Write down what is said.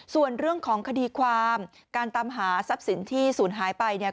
ส่วนเรื่องของคดีความการตามหาทรัพย์สินที่ศูนย์หายไปเนี่ย